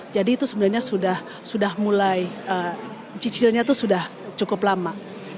jadi itu sebenarnya sudah mulai cicilnya itu sudah cukup lama